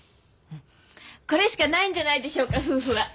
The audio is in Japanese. これしかないんじゃないでしょうか夫婦は。